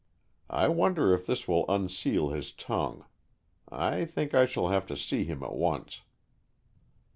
I wonder if this will unseal his tongue. I think I shall have to see him at once."